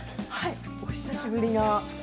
お久しぶりな。